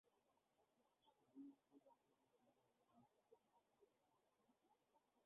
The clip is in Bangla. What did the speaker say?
স্কুল জীবন থেকেই তিনি অভিনয়ের সাথে সম্পৃক্ত ছিলেন।